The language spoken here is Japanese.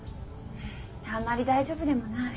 あんまり大丈夫でもない。